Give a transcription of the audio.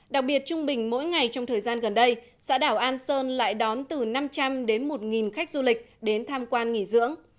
đặc biệt trung bình mỗi ngày trong thời gian gần đây xã đảo an sơn lại đón từ năm trăm linh đến một khách du lịch đến tham quan nghỉ dưỡng